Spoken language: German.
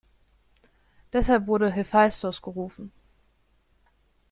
Deshalb wurde Hephaistos gerufen.